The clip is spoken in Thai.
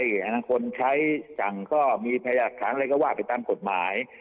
ฮันนั่งคนใช้จ่างก้อมีพยาษณ์ขางอะไรก็ว่าไปตามกฎหมาย